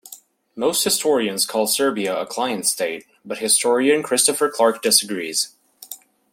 Most historians call Serbia a client state but historian Christopher Clark disagrees.